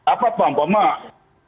apa paham pak mak